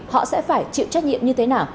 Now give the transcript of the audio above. họ sẽ phải chịu trách nhiệm như thế nào